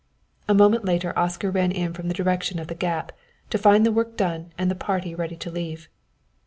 A moment later Oscar ran in from the direction of the gap, to find the work done and the party ready to leave.